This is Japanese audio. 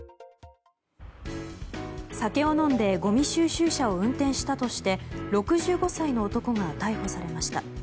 酒を飲んでごみ収集車を運転したとして６５歳の男が逮捕されました。